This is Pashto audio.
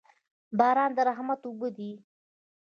باران د رحمت اوبه دي